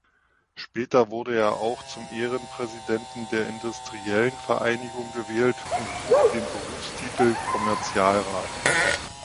Später wurde er auch zum Ehrenpräsidenten der Industriellenvereinigung gewählt und trug den Berufstitel Kommerzialrat.